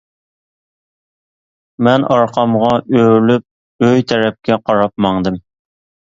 مەن ئارقامغا ئۆرۈلۈپ ئۆي تەرەپكە قاراپ ماڭدىم.